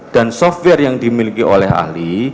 software yang dimiliki oleh ahli